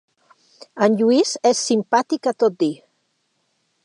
En Lluís és simpàtic a tot dir.